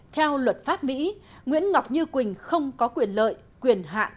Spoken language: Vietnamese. theo luật pháp mỹ nguyễn ngọc như quỳnh không có quyền lợi quyền hạn